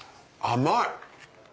甘い！